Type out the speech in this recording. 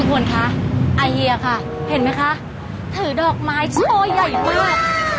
ทุกคนคะอ่าเฮียค่ะเห็นไหมคะถือดอกไม้โชคใหญ่มาก